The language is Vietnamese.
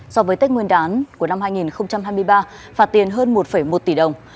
so với tết nguyên đán của năm hai nghìn hai mươi ba phạt tiền hơn một một tỷ đồng